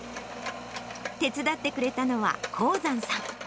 手伝ってくれたのは、幸山さん。